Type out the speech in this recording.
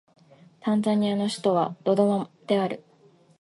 タンザニアの首都はドドマである